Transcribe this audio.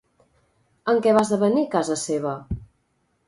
En què va esdevenir casa seva?